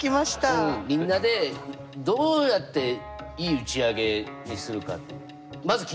うんみんなでどうやっていい打ち上げにするか。